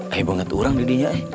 air banget orang didinya